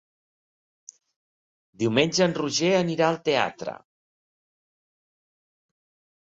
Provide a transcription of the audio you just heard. Diumenge en Roger anirà al teatre.